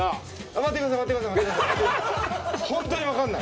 待ってください。